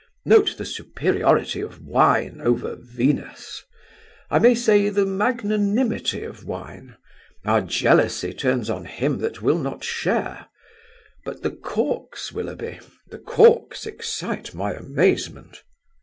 Note the superiority of wine over Venus! I may say, the magnanimity of wine; our jealousy turns on him that will not share! But the corks, Willoughby. The corks excite my amazement."